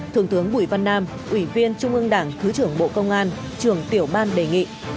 thượng tướng bùi văn nam ủy viên trung ương đảng thứ trưởng bộ công an trưởng tiểu ban đề nghị